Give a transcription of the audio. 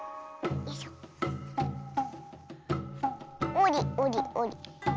おりおりおり。